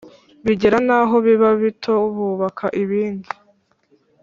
bigera n’aho biba bito bubaka ibindi.